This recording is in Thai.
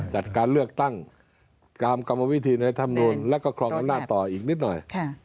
จัดการเลือกตั้งตามกรรมวิธีในธรรมนูลแล้วก็ครองอำนาจต่ออีกนิดหน่อย